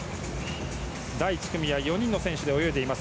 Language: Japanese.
第１組は４人の選手で泳いでいます。